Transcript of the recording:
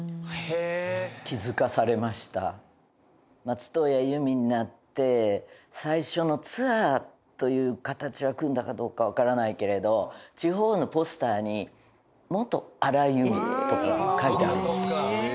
松任谷由実になって最初のツアーという形は組んだかどうかわからないけれど地方のポスターに「“元”荒井由実」とか書いてあるんですよ。